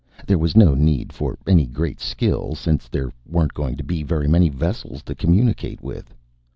There was no need for any great skill, since there weren't going to be very many vessels to communicate with.